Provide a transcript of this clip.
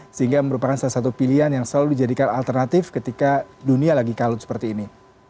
sehingga merupakan salah satu pilihan yang selalu dijadikan alternatif ketika dunia lagi kalut seperti ini